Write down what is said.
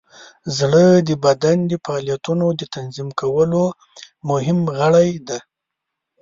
زړه د بدن د فعالیتونو د تنظیم کولو مهم غړی دی.